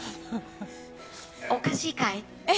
おかしいかい。